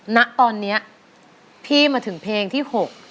ณตอนนี้พี่มาถึงเพลงที่๖